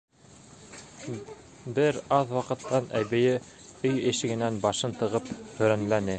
Бер аҙ ваҡыттан әбейе өй ишегенән башын тығып һөрәнләне: